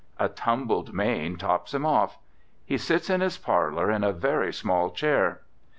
A tumbled mane tops him off. He sits in his parlour in a very small chair.